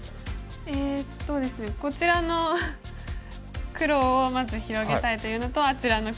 えっとですねこちらの黒をまず広げたいというのとあちらの黒を広げたい。